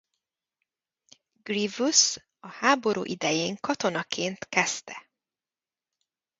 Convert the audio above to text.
Grievous a háború idején katonaként kezdte.